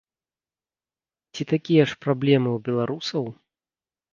Ці такія ж праблемы ў беларусаў?